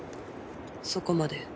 そこまで？